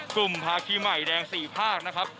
กลุ่มพาคีใหม่แดง๔ภาคนะครับ